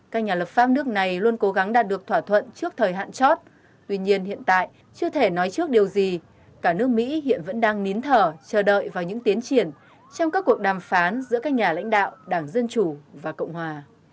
các nhà lập pháp nước này luôn cố gắng đạt được thỏa thuận trước thời hạn chót tuy nhiên hiện tại chưa thể nói trước điều gì cả nước mỹ hiện vẫn đang nín thở chờ đợi vào những tiến triển trong các cuộc đàm phán giữa các nhà lãnh đạo đảng dân chủ và cộng hòa